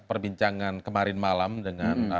perbincangan kemarin malam dengan